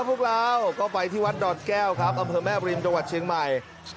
พวกเราก็ไปที่วัดดอนแก้วครับอำเภอแม่บริมจังหวัดเชียงใหม่